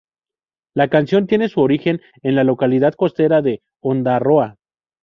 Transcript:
La canción tiene su origen en la localidad costera de Ondarroa.